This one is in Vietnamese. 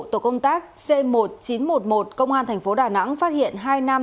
tổ công tác c một nghìn chín trăm một mươi một công an thành phố đà nẵng phát hiện hai nam